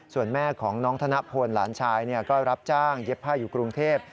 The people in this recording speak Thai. ส่วนแม่ของน้องธนพลหลานชายก็รับจ้างเย็บผ้าอยู่กรุงเทพ